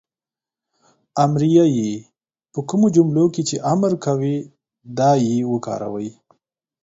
امریه "ئ" په کومو جملو کې چې امر کوی دا "ئ" وکاروئ